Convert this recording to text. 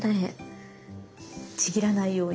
ちぎらないように。